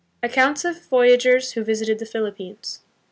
21 Accounts of Voyagers Who Visited the Philippines.